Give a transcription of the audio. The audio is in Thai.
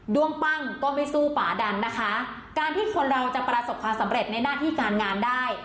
้วงปั้งก็ไม่สู้ป่าดันนะคะการที่คนเราจะประสบความสำเร็จในหน้าที่การงานได้